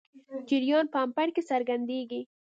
جریان په امپیر کې څرګندېږي.